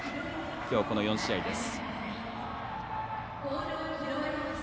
きょう、この４試合です。